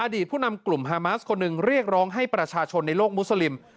ผู้นำกลุ่มฮามาสคนหนึ่งเรียกร้องให้ประชาชนในโลกมุสลิม